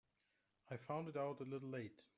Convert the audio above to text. I found it out a little late.